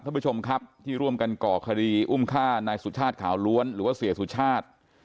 ท่านผู้ชมครับที่ร่วมกันเกาะคดีอุ้มค่านายศูชาสตร์ข่าวล้วนหรือเสียศูชาสตร์